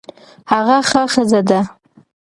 هغه ښه ښځه ده